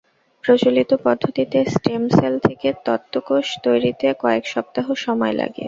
প্রচলিত পদ্ধতিতে stem cell থেকে ত্বককোষ তৈরিতে কয়েক সপ্তাহ সময় লাগে।